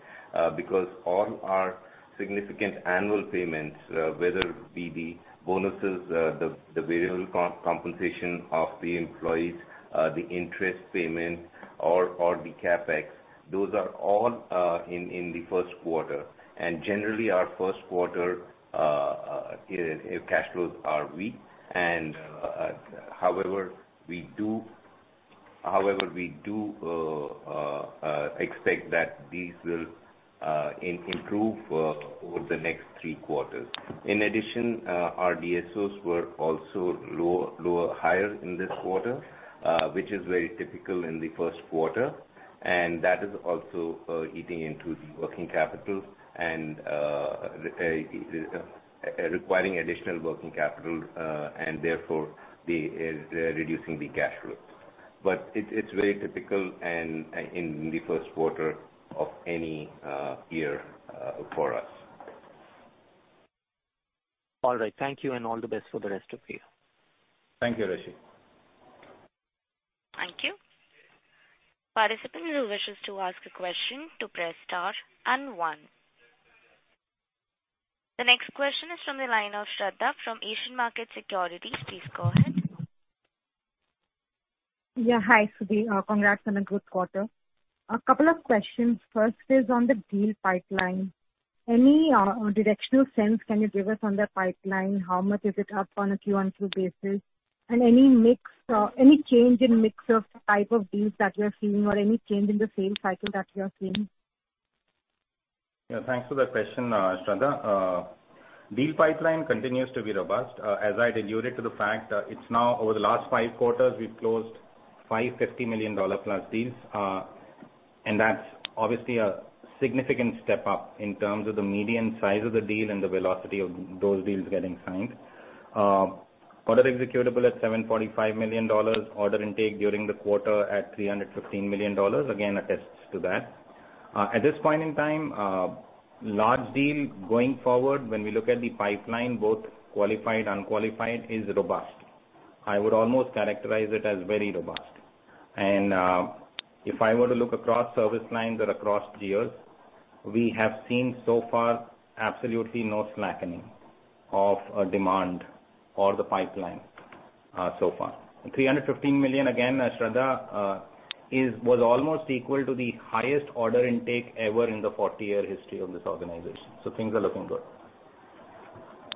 because all our significant annual payments, whether it be the bonuses, the variable compensation of the employees, the interest payment or the CapEx, those are all in the first quarter. Generally, our first quarter cash flows are weak and. However, we do However, we do expect that these will improve over the next three quarters. In addition, our DSOs were also higher in this quarter, which is very typical in the first quarter. That is also eating into the working capital and requiring additional working capital, and therefore reducing the cash flow. It's very typical in the first quarter of any year for us. All right. Thank you and all the best for the rest of the year. Thank you, Rishi. Thank you. Participants who wish to ask a question, please press star one. The next question is from the line of Shraddha from Asian Market Securities. Please go ahead. Yeah, hi, Sudhi. Congrats on a good quarter. A couple of questions. First is on the deal pipeline. Any directional sense can you give us on the pipeline? How much is it up on a Q-on-Q basis? Any mix, any change in mix of type of deals that you're seeing or any change in the sales cycle that you're seeing? Yeah, thanks for that question, Shraddha. Deal pipeline continues to be robust. As I'd alluded to the fact, it's now over the last five quarters, we've closed five $50 million-plus deals. And that's obviously a significant step up in terms of the median size of the deal and the velocity of those deals getting signed. Order executable at $745 million, order intake during the quarter at $315 million again attests to that. At this point in time, large deal going forward, when we look at the pipeline, both qualified, unqualified, is robust. I would almost characterize it as very robust. If I were to look across service lines or across geos, we have seen so far absolutely no slackening of demand or the pipeline, so far. 315 million, again, Shraddha, was almost equal to the highest order intake ever in the 40-year history of this organization, so things are looking good.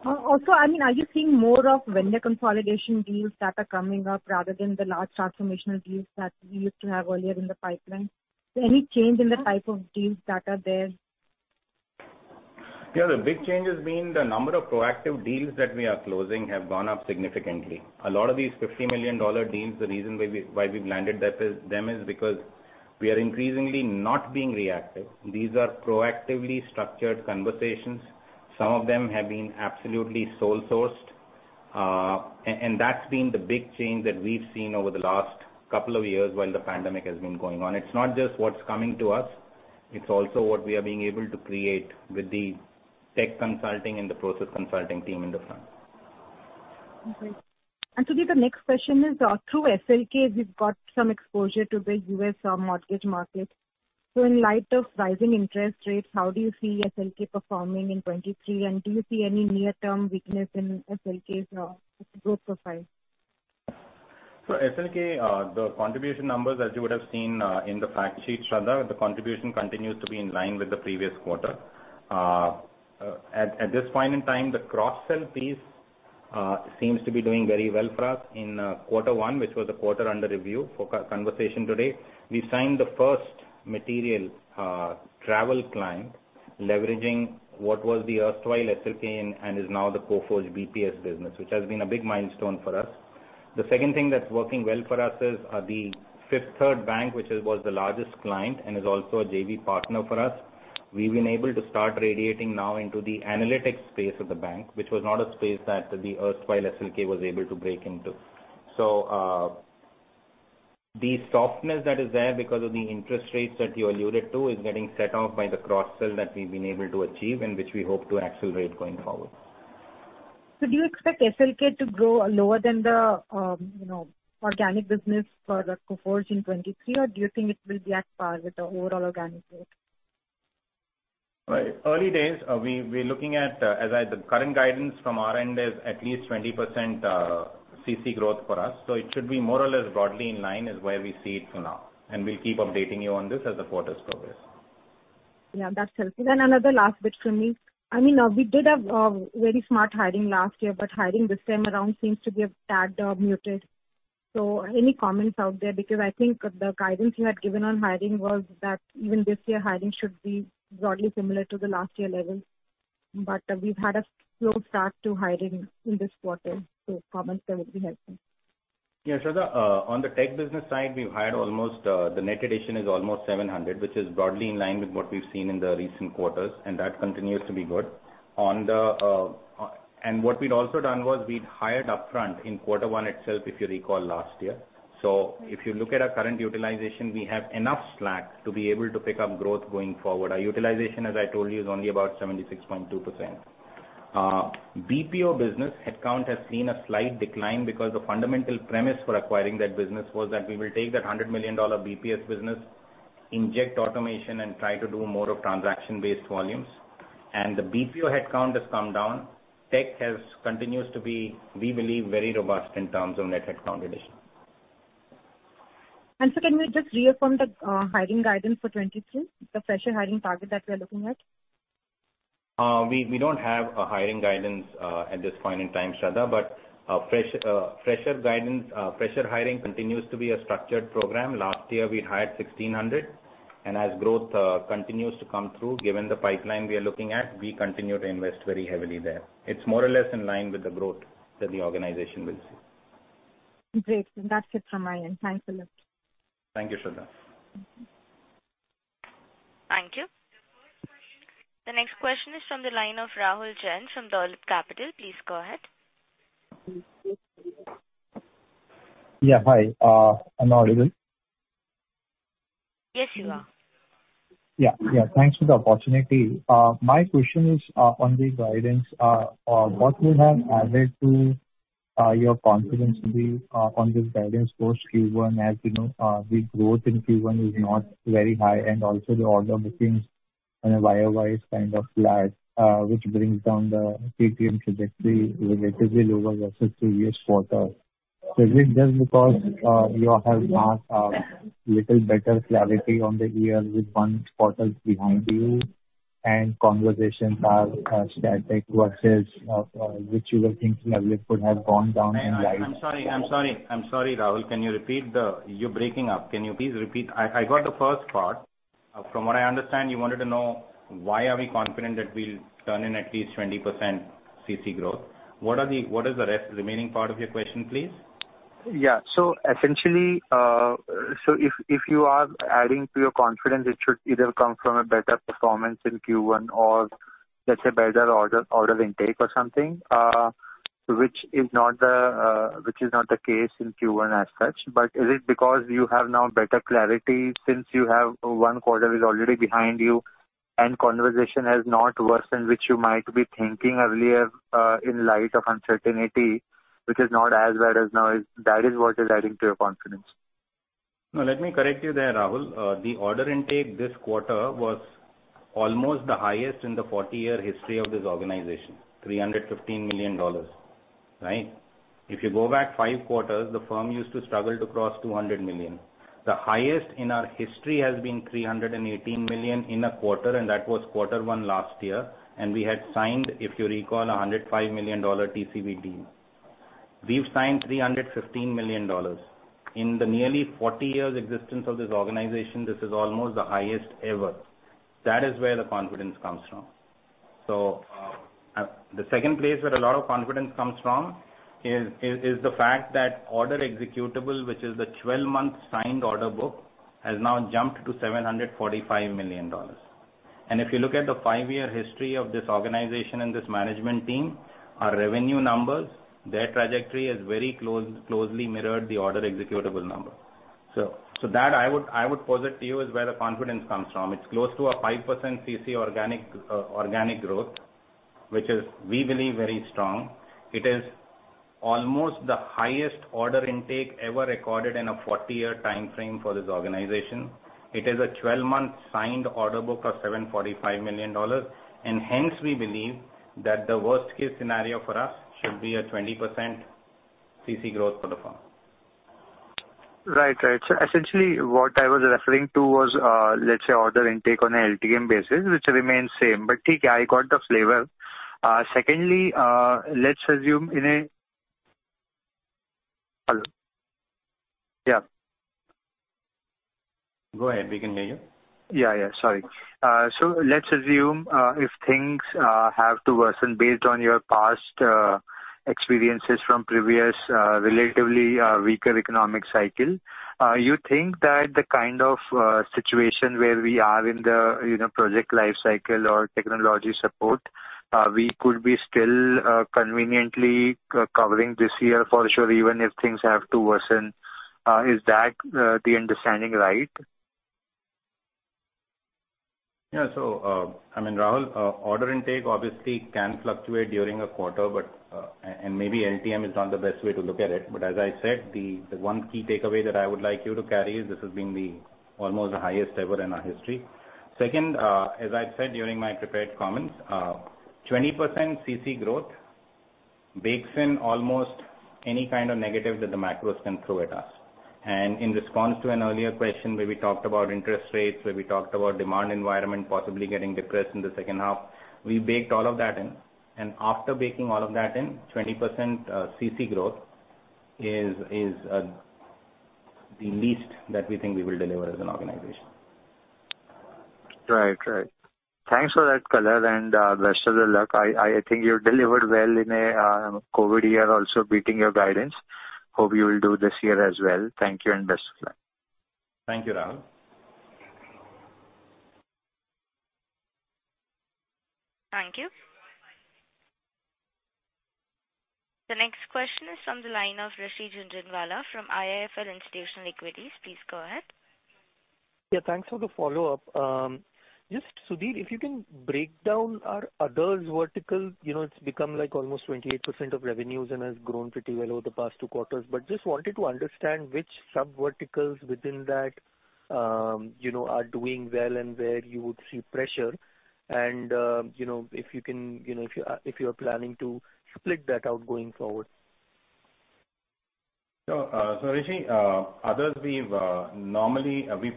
Also, I mean, are you seeing more of vendor consolidation deals that are coming up rather than the large transformational deals that you used to have earlier in the pipeline? Any change in the type of deals that are there? Yeah, the big change has been the number of proactive deals that we are closing have gone up significantly. A lot of these $50 million deals, the reason why we've landed them is because we are increasingly not being reactive. These are proactively structured conversations. Some of them have been absolutely sole sourced. And that's been the big change that we've seen over the last couple of years while the pandemic has been going on. It's not just what's coming to us, it's also what we are being able to create with the tech consulting and the process consulting team in the front. Okay. Sudhi, the next question is, through SLK, we've got some exposure to the U.S. mortgage market. In light of rising interest rates, how do you see SLK performing in 2023, and do you see any near-term weakness in SLK's growth profile? SLK, the contribution numbers, as you would have seen, in the fact sheet, Shraddha, the contribution continues to be in line with the previous quarter. At this point in time, the cross-sell piece seems to be doing very well for us in quarter one, which was the quarter under review for our conversation today. We signed the first material travel client leveraging what was the erstwhile SLK and is now the Coforge BPS business, which has been a big milestone for us. The second thing that's working well for us is the Fifth Third Bank, which was the largest client and is also a JV partner for us. We've been able to start radiating now into the analytics space of the bank, which was not a space that the erstwhile SLK was able to break into. The softness that is there because of the interest rates that you alluded to is getting set off by the cross-sell that we've been able to achieve and which we hope to accelerate going forward. Do you expect SLK to grow lower than the organic business for the Coforge in 2023, or do you think it will be at par with the overall organic rate? Early days, we're looking at the current guidance from our end is at least 20% CC growth for us. It should be more or less broadly in line, where we see it for now. We'll keep updating you on this as the quarters progress. Yeah, that's helpful. Another last bit from me. I mean, we did have very smart hiring last year, but hiring this time around seems to be a tad muted. Any comments out there? Because I think the guidance you had given on hiring was that even this year, hiring should be broadly similar to the last year levels. But we've had a slow start to hiring in this quarter. Comments there would be helpful. Yeah, Shraddha, on the tech business side, we've hired almost, the net addition is almost 700, which is broadly in line with what we've seen in the recent quarters, and that continues to be good. What we'd also done was we'd hired upfront in quarter one itself, if you recall, last year. If you look at our current utilization, we have enough slack to be able to pick up growth going forward. Our utilization, as I told you, is only about 76.2%. BPO business headcount has seen a slight decline because the fundamental premise for acquiring that business was that we will take that $100 million BPS business, inject automation, and try to do more of transaction-based volumes. The BPO headcount has come down. Tech continues to be, we believe, very robust in terms of net headcount addition. Can you just reaffirm the hiring guidance for 2023, the fresher hiring target that we're looking at? We don't have a hiring guidance at this point in time, Shraddha, but fresher hiring continues to be a structured program. Last year, we hired 1,600, and as growth continues to come through, given the pipeline we are looking at, we continue to invest very heavily there. It's more or less in line with the growth that the organization will see. Great. That's it from my end. Thanks a lot. Thank you, Shraddha. Thank you. The next question is from the line of Rahul Jain from Dolat Capital. Please go ahead. Yeah. Hi. Am I audible? Yes, you are. Yeah, yeah. Thanks for the opportunity. My question is on the guidance. What would have added to your confidence in this guidance for Q1, as you know, the growth in Q1 is not very high, and also the order bookings in a Y-over-Y kind of flat, which brings down the KPM trajectory relatively over versus previous quarters. Is it just because you have now little better clarity on the year with one quarter behind you and conversations are static versus which you were thinking earlier could have gone down in life. I'm sorry, Rahul. Can you repeat? You're breaking up. Can you please repeat? I got the first part. From what I understand, you wanted to know why are we confident that we'll turn in at least 20% CC growth. What is the rest, remaining part of your question, please? Yeah. Essentially, if you are adding to your confidence, it should either come from a better performance in Q1 or let's say better order intake or something, which is not the case in Q1 as such. But is it because you have now better clarity since you have one quarter already behind you and conversation has not worsened, which you might be thinking earlier, in light of uncertainty, which is not as bad as now is. That is what is adding to your confidence? No, let me correct you there, Rahul. The order intake this quarter was almost the highest in the 40-year history of this organization, $315 million, right? If you go back five quarters, the firm used to struggle to cross $200 million. The highest in our history has been $318 million in a quarter, and that was quarter one last year. We had signed, if you recall, a $105 million TCV deal. We've signed $315 million. In the nearly 40 years existence of this organization, this is almost the highest ever. That is where the confidence comes from. The second place where a lot of confidence comes from is the fact that order executable, which is the 12-month signed order book, has now jumped to $745 million. If you look at the 5-year history of this organization and this management team, our revenue numbers, their trajectory has very closely mirrored the order executable number. That I would posit to you is where the confidence comes from. It's close to a 5% CC organic growth, which we believe very strong. It is almost the highest order intake ever recorded in a 40-year timeframe for this organization. It is a 12-month signed order book of $745 million. Hence we believe that the worst-case scenario for us should be a 20% CC growth for the firm. Right. Essentially what I was referring to was, let's say order intake on a LTM basis, which remains same. But regardless, I got the flavor. Secondly, Go ahead. We can hear you. Yeah, yeah, sorry. Let's assume if things have to worsen based on your past experiences from previous relatively weaker economic cycle, you think that the kind of situation where we are in the, you know, project life cycle or technology support, we could be still comfortably covering this year for sure, even if things have to worsen. Is that the understanding right? Yeah. I mean, Rahul, order intake obviously can fluctuate during a quarter, but, and maybe LTM is not the best way to look at it. As I said, the one key takeaway that I would like you to carry is this has been almost the highest ever in our history. Second, as I said during my prepared comments, 20% CC growth bakes in almost any kind of negative that the macros can throw at us. In response to an earlier question where we talked about interest rates, where we talked about demand environment possibly getting depressed in the second half, we baked all of that in. After baking all of that in, 20% CC growth is the least that we think we will deliver as an organization. Right. Right. Thanks for that color and, best of the luck. I think you've delivered well in a, COVID year also beating your guidance. Hope you will do this year as well. Thank you and best of luck. Thank you, Rahul. Thank you. The next question is from the line of Rishi Jhunjhunwala from IIFL Institutional Equities. Please go ahead. Yeah, thanks for the follow-up. Just, Sudhir, if you can break down our others vertical. You know, it's become like almost 28% of revenues and has grown pretty well over the past two quarters. Just wanted to understand which subverticals within that, you know, are doing well and where you would see pressure. You know, if you can, you know, if you are planning to split that out going forward. Rishi, others, we've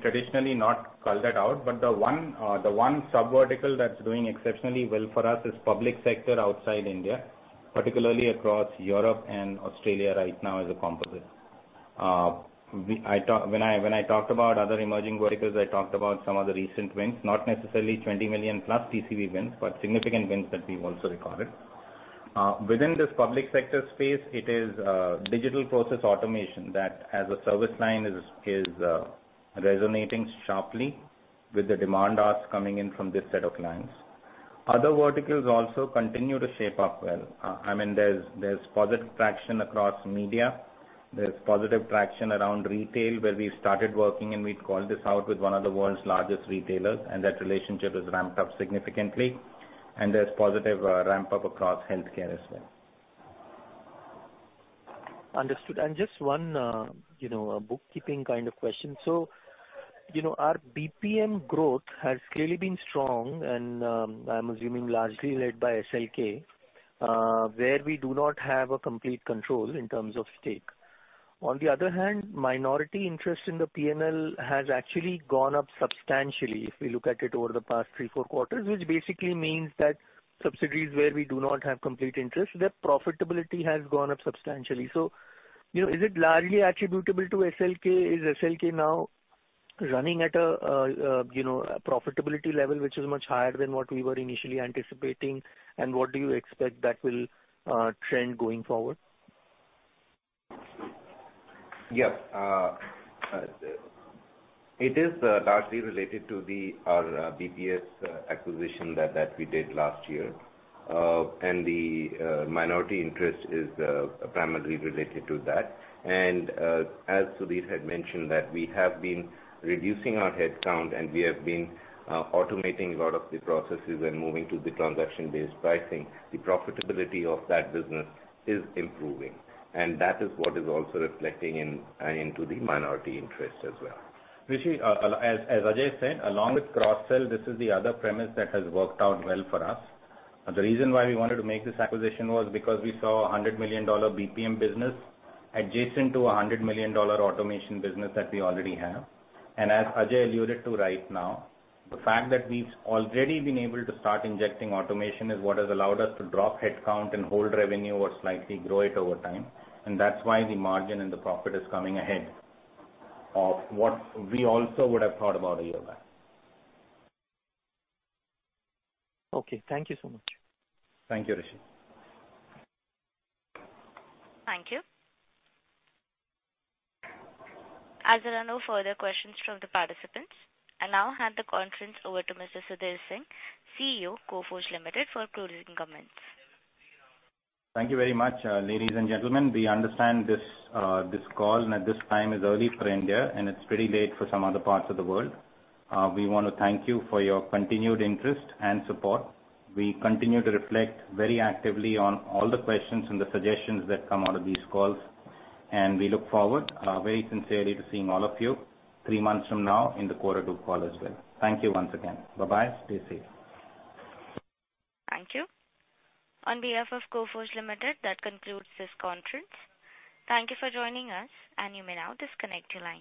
traditionally not called that out, but the one sub-vertical that's doing exceptionally well for us is public sector outside India, particularly across Europe and Australia right now as a composite. When I talked about other emerging verticals, I talked about some of the recent wins, not necessarily 20 million plus TCV wins, but significant wins that we've also recorded. Within this public sector space, it is digital process automation that as a service line is resonating sharply with the demand asks coming in from this set of clients. Other verticals also continue to shape up well. I mean, there's positive traction across media. There's positive traction around retail where we started working, and we'd called this out with one of the world's largest retailers, and that relationship has ramped up significantly, and there's positive ramp-up across healthcare as well. Understood. Just one, you know, bookkeeping kind of question. You know, our BPM growth has clearly been strong and, I'm assuming largely led by SLK, where we do not have a complete control in terms of stake. On the other hand, minority interest in the P&L has actually gone up substantially if we look at it over the past 3-4 quarters, which basically means that subsidiaries where we do not have complete interest, their profitability has gone up substantially. You know, is it largely attributable to SLK? Is SLK now running at a, you know, profitability level which is much higher than what we were initially anticipating? What do you expect that will trend going forward? It is largely related to our BPS acquisition that we did last year. The minority interest is primarily related to that. As Sudhir had mentioned, that we have been reducing our headcount, and we have been automating a lot of the processes and moving to the transaction-based pricing. The profitability of that business is improving, and that is what is also reflecting into the minority interest as well. Rishi, as Ajay said, along with cross-sell, this is the other premise that has worked out well for us. The reason why we wanted to make this acquisition was because we saw a $100 million BPM business adjacent to a $100 million automation business that we already have. As Ajay alluded to right now, the fact that we've already been able to start injecting automation is what has allowed us to drop headcount and hold revenue or slightly grow it over time. That's why the margin and the profit is coming ahead of what we also would have thought about a year back. Okay. Thank you so much. Thank you, Rishi. Thank you. As there are no further questions from the participants, I now hand the conference over to Mr. Sudhir Singh, CEO, Coforge Limited, for closing comments. Thank you very much, ladies and gentlemen. We understand this call and at this time is early for India, and it's pretty late for some other parts of the world. We wanna thank you for your continued interest and support. We continue to reflect very actively on all the questions and the suggestions that come out of these calls, and we look forward very sincerely to seeing all of you three months from now in the quarter two call as well. Thank you once again. Bye-bye. Stay safe. Thank you. On behalf of Coforge Limited, that concludes this conference. Thank you for joining us, and you may now disconnect your lines.